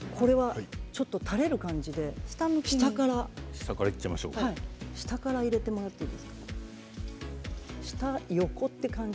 ちょっと垂れる感じで下から入れてもらっていいですか？